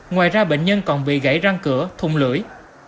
ngoài ra bệnh nhân còn bị gãy răng cửa thùng lưỡi